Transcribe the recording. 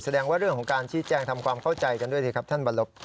แสดงว่าเรื่องของการชี้แจงทำความเข้าใจกันด้วยดีครับท่านบรรลบ